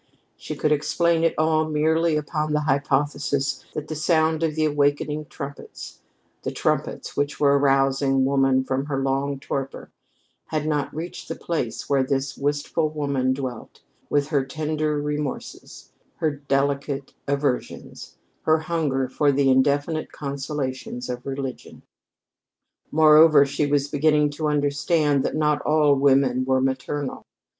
She could explain it all merely upon the hypothesis that the sound of the awakening trumpets the trumpets which were arousing woman from her long torpor had not reached the place where this wistful woman dwelt, with her tender remorses, her delicate aversions, her hunger for the indefinite consolations of religion. Moreover, she was beginning to understand that not all women were maternal.